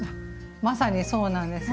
まさにそうなんです。